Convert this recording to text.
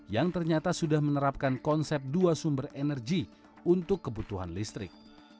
yang ternyata sudah menerapkan konsep dua sumber energi untuk kebutuhan listrik